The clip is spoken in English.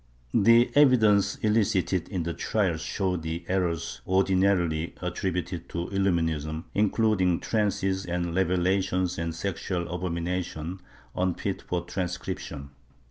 The evidence elicited in the trials showed the errors ordinarily attributed to Illuminism, including trances and revelations and sexual abominations unfit for transcription.